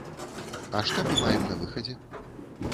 А што мы маем на выхадзе?